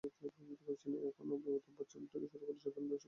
এখন অমিতাভ বচ্চন থেকে শুরু করে সাধারণ দর্শকেরা পর্যন্ত ব্যস্ত রাধিকা-বন্দনায়।